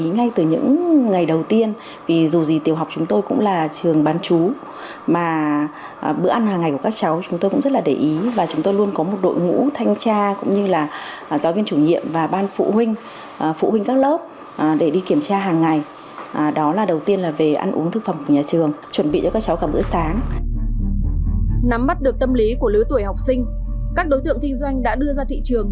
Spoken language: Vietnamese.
nắm mắt được tâm lý của lứa tuổi học sinh các đối tượng kinh doanh đã đưa ra thị trường